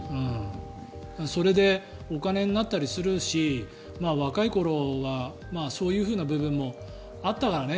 それでお金になったりするし若い頃はそういう部分もあったからね。